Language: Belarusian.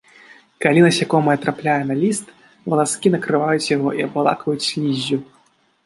Калі насякомае трапляе на ліст, валаскі накрываюць яго і абвалакваюць сліззю.